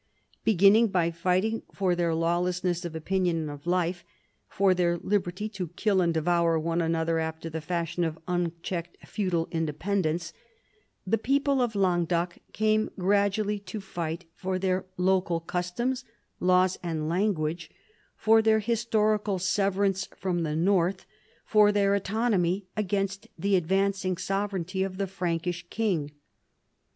Beginning by fighting for their lawlessness of opinion and of life, for their liberty to kill and devour one another after the fashion of unchecked feudal independence, the people of Languedoc came gradually to fight for their local customs, laws, and language, for their historical sever ance from the north, for their autonomy against the advancing sovereignty of the Frankish king.